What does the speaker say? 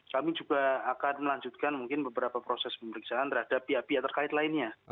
kami juga akan melanjutkan mungkin beberapa proses pemeriksaan terhadap pihak pihak terkait lainnya